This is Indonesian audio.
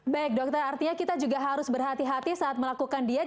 baik dokter artinya kita juga harus berhati hati saat melakukan diet